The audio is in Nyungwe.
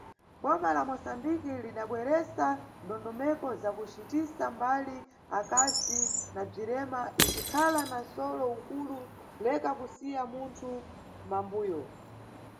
Boma la Mosambiki, lidabweresa ndondomeko za kucitisa mbali akazi na bzirema, icikhala na nʼsolo ukulu Leka kusiya munthu mʼmambuyo.